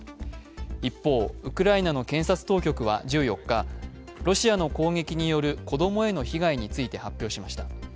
一方、ウクライナの検察当局は１４日ロシアの攻撃による子供への被害について発表しました。